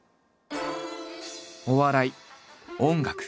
お笑い音楽。